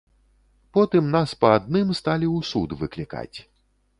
Потым нас па адным сталі ў суд выклікаць.